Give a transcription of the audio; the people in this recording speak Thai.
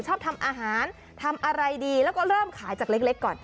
ชอบทำอาหารทำอะไรดีแล้วก็เริ่มขายจากเล็กก่อน